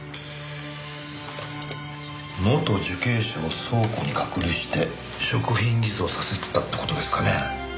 元受刑者を倉庫に隔離して食品偽装させてたって事ですかね？